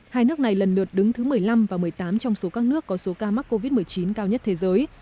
hai nước này lần lượt đứng thứ một mươi năm và một mươi tám trong số các nước có số ca mắc covid một mươi chín cao nhất thế giới